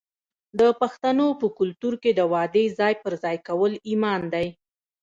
د پښتنو په کلتور کې د وعدې ځای پر ځای کول ایمان دی.